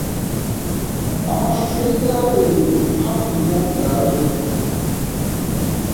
Amashusho y’ibyabereye hakurya ngaya